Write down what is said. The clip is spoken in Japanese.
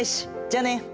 じゃあね！